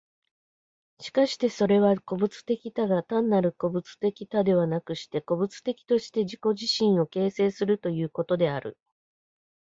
しかしてそれは個物的多が、単なる個物的多ではなくして、個物的として自己自身を形成するということである。